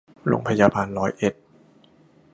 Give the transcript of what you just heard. โรงพยาบาลร้อยเอ็ด